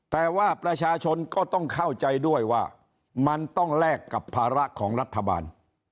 แต่ว่าประชาชนก็ต้องเข้าใจด้วยว่ามันต้องแลกกับภาระของรัฐบาล